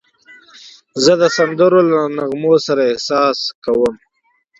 زه د سندرو له نغمو سره آرام احساس کوم.